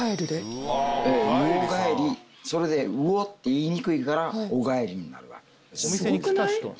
それで「うお」って言いにくいから「おがえり」になるわけ。